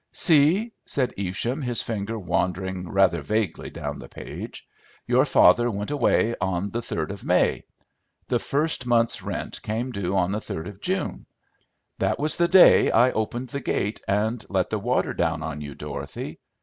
"See!" said Evesham, his finger wandering rather vaguely down the page. "Your father went away on the 3d of May. The first month's rent came due on the 3d of June. That was the day I opened the gate and let the water down on you, Dorothy.